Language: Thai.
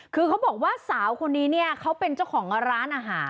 คือเขาบอกว่าสาวคนนี้เนี่ยเขาเป็นเจ้าของร้านอาหาร